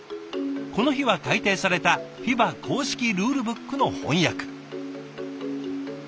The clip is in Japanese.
この日は改訂されたＦＩＢＡ公式ルールブックの翻訳。